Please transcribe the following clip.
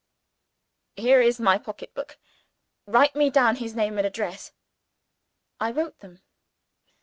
"Here is my pocket book. Write me down his name and address." I wrote them.